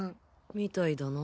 みたいだな。